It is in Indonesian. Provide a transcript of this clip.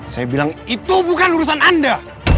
saya bilang itu bukan urusan anda